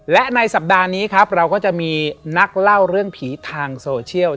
และในสัปดาห์นี้ครับเราก็จะมีนักเล่าเรื่องผีทางโซเชียล